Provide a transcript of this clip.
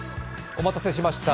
お待たせしました。